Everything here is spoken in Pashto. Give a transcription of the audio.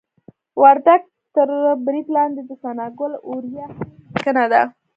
وردګ تر برید لاندې د ثناګل اوریاخیل لیکنه ده